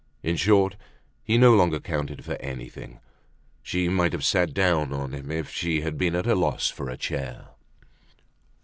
In short, he no longer counted for anything; she might have sat down on him if she had been at a loss for a chair.